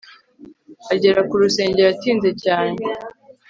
agera ku rusengero atinze cyane